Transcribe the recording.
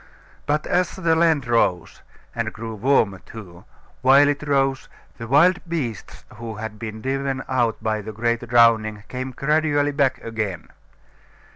But as the land rose, and grew warmer too, while it rose, the wild beasts who had been driven out by the great drowning came gradually back again.